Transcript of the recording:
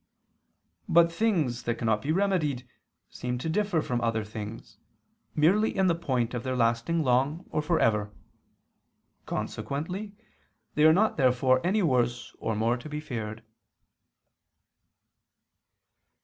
But things that cannot be remedied seem to differ from other things, merely in the point of their lasting long or for ever. Consequently they are not therefore any worse or more to be feared.